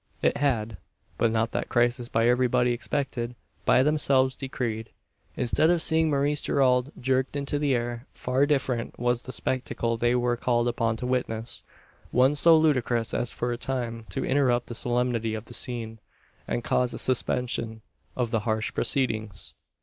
It had; but not that crisis by everybody expected, by themselves decreed. Instead of seeing Maurice Gerald jerked into the air, far different was the spectacle they were called upon to witness, one so ludicrous as for a time to interrupt the solemnity of the scene, and cause a suspension of the harsh proceedings.